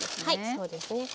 はいそうですね。